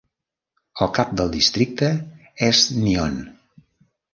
El cap del districte és Nyon.